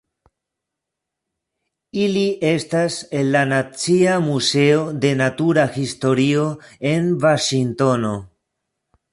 Ili estas en la Nacia Muzeo de Natura Historio en Vaŝingtono.